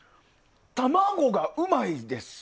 卵がうまいです。